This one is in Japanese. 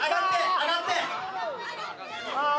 上がって！